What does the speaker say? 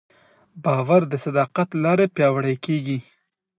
باور د صداقت له لارې پیاوړی کېږي.